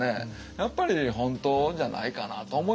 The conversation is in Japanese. やっぱり本当じゃないかなと思いますよね。